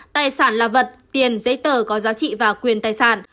tài sản là vật tiền giấy tờ có giá trị và quyền tài sản